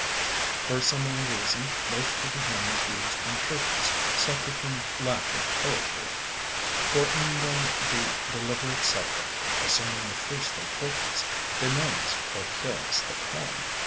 For a similar reason most of the hymns used in churches suffer from lack of poetry. For in them the deliberate subject, assuming the first importance, benumbs or kills the poem.